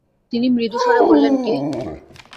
তিনি মৃদু স্বরে বললেন, কে?